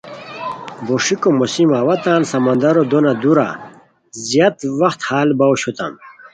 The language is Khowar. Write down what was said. بوݰیکو موسمہ اوا تان سمندرو دونہ دُورہ زیاد وخت ہال باؤ اوشوتام